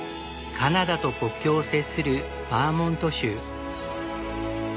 カナダと国境を接するバーモント州。